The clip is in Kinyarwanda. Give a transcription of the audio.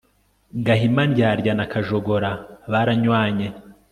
gahimandyadya na kajogora baranywanye